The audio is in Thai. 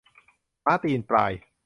ม้าตีนปลาย